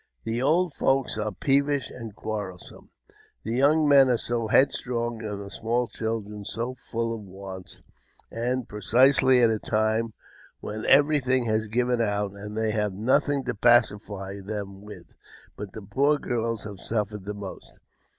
The old folks are peevish and quarrelsome ; the young men are so headstrong, and the small children so full of wants, and precisely at a time when everything has given out, and they have nothing to pacify them with. But the poor girls have suffered the most.